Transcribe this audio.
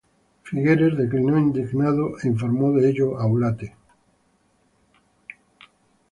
Figueres declinó indignado e informó de ello a Ulate.